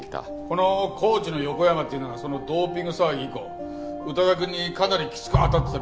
このコーチの横山っていうのがそのドーピング騒ぎ以降宇多田くんにかなりきつく当たってたみたいだ。